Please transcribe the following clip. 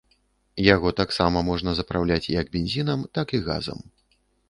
Яго таксама можна запраўляць як бензінам, так і газам.